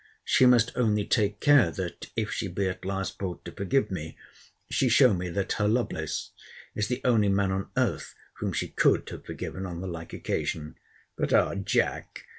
She must only take care that, if she be at last brought to forgive me, she show me that her Lovelace is the only man on earth whom she could have forgiven on the like occasion. But ah, Jack!